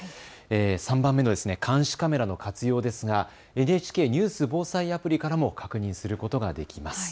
３番目の監視カメラの活用ですがＮＨＫニュース・防災アプリからも確認することができます。